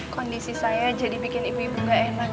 kondisi saya jadi bikin ibu ibu gak enak